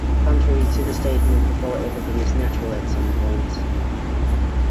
Contrary to the statement before, everything is natural at some point.